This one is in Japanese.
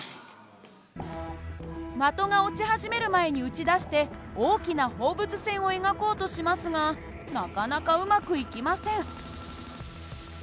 的が落ち始める前に撃ち出して大きな放物線を描こうとしますがなかなかうまくいきません。